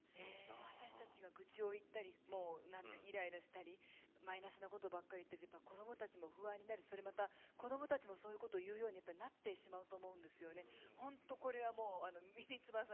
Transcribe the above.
私たちが愚痴を言ったりイライラしたりマイナスなことばっかり言ってると子どもたちも不安になるしそれもまた、子どもたちもそういうことを言うようになってしまうと思うんですよね。